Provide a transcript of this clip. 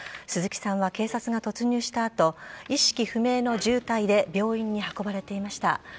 鈴木さんは警察が突入した後意識不明の重体で病院に運ばれていました。